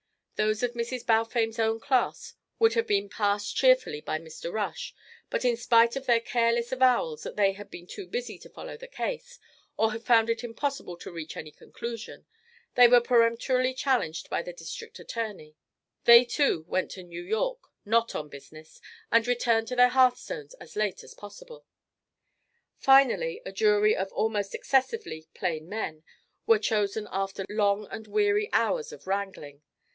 Those of Mrs. Balfame's own class would have been passed cheerfully by Mr. Rush, but in spite of their careless avowals that they had been too busy to follow the case, or had found it impossible to reach any conclusion, they were peremptorily challenged by the district attorney. They, too, went to New York, not on business, and returned to their hearthstones as late as possible. Finally a jury of almost excessively "plain men" were chosen after long and weary hours of wrangling.